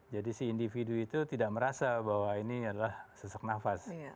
jadi si individu itu tidak merasa bahwa ini adalah sesak nafas